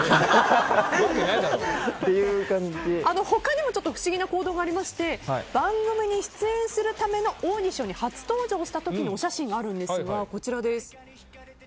他にも不思議な行動がありまして番組に出演するためのオーディションに初登場した時のお写真があるんですが、こちらです。